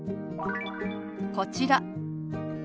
こちら。